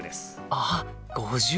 あっ５０。